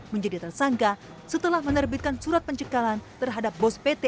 menjadi tersangka setelah menerbitkan surat pencekalan terhadap bos pt